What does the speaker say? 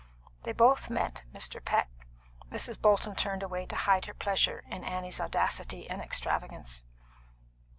They both meant Mr. Peck. Mrs. Bolton turned away to hide her pleasure in Annie's audacity and extravagance.